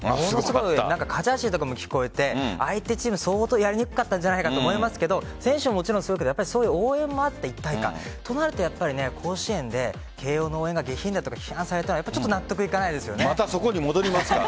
カチャーシーとかも聞こえて相手チーム相当やりにくかったんじゃないかと思いますけど選手も、もちろんすごいけど応援もあって一体感となると甲子園で慶応の応援が下品だと批判されたのまたそこに戻りますか。